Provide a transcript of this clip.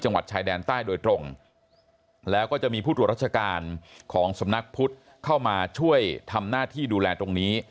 จังหวัดชายแดนใต้โดยตรงแล้วก็จะมีผู้ตรวจราชการของสำนักพุทธเข้ามาช่วยทำหน้าที่ดูแลตรงนี้